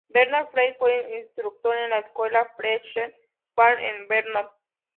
Berta Frey fue instructora en la escuela Fletcher Farm en Vermont.